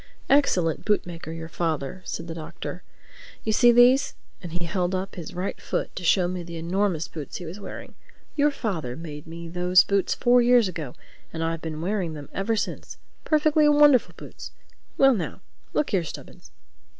"Excellent bootmaker, your father," said the Doctor. "You see these?" and he held up his right foot to show me the enormous boots he was wearing. "Your father made me those boots four years ago, and I've been wearing them ever since—perfectly wonderful boots—Well now, look here, Stubbins.